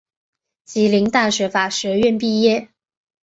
吉林大学法学院毕业。